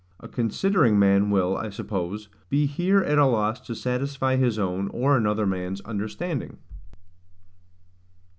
A considering man will, I suppose, be here at a loss to satisfy his own, or another man's understanding.